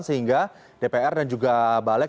sehingga dpr dan juga balik